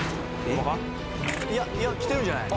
いやいやきてるんじゃない？